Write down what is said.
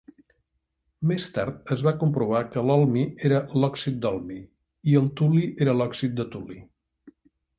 Més tard es va comprovar que l'holmi era l'òxid d'holmi i el tuli era l'òxid de tuli.